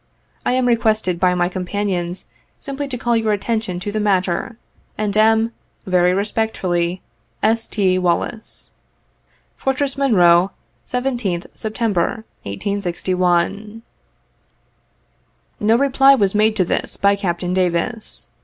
I am requested by my companions simply to call your attention to the matter, and am, Very respectfully, "S. T. WALLIS. "Fortress Monroe, 17th Sept., 1861." No reply was made to this by Capt. Davis.